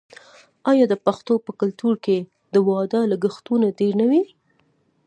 آیا د پښتنو په کلتور کې د واده لګښتونه ډیر نه وي؟